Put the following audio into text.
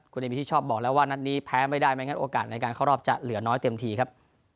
คุณเอมิชิชอบบอกแล้วว่านัดนี้แพ้ไม่ได้ไม่งั้นโอกาสในการเข้ารอบจะเหลือน้อยเต็มทีครับ